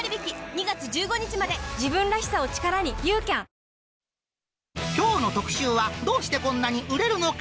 あなたもきょうの特集は、どうしてこんなに売れるのか！